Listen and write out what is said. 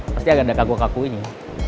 pasti agak ada kaku kakunya